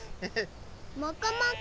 もこもこ。